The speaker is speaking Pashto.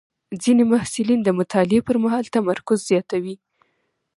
ځینې محصلین د مطالعې پر مهال تمرکز زیاتوي.